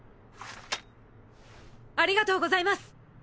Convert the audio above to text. ありがとうございます！